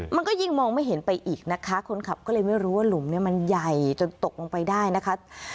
มันก็ยิ่งมองไม่เห็นไปอีกนะคะคนขับก็เลยไม่รู้ว่าหลุมเนี่ยมันใหญ่จนตกลงไปได้นะคะ